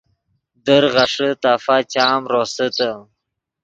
در غیݰے تفا چام روسیتے